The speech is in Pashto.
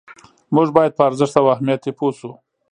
موږ باید په ارزښت او اهمیت یې پوه شو.